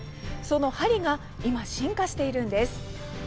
その鍼が今、進化しているんです。